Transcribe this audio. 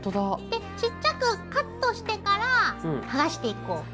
でちっちゃくカットしてから剥がしていこう。